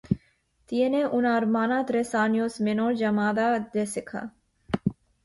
Tiene una hermana tres años menor llamada Jessica.